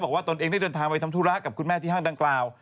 ตนเองได้เดินทางไปทำธุระกับคุณแม่ที่ห้างดังกล่าว